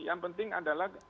yang penting adalah